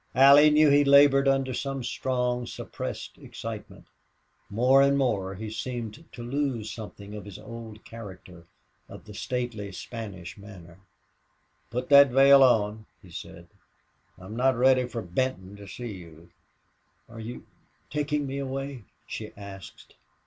Allie knew he labored under some strong, suppressed excitement. More and more he seemed to lose something of his old character of the stately Spanish manner. "Put that veil on," he said. "I'm not ready for Benton to see you." "Are you taking me away?" she asked.